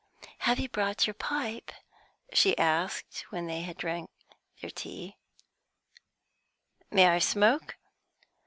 "Have you brought your pipe?" she asked, when they had drank their tea. "May I smoke?"